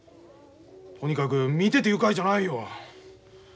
とにかく見てて愉快じゃないよ。